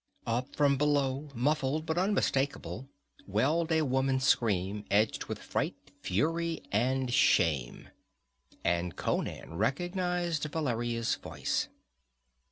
Up from below, muffled, but unmistakable, welled a woman's scream, edged with fright, fury and shame. And Conan recognized Valeria's voice.